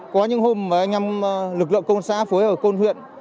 có những hôm nhằm lực lượng công xã phối hợp công huyện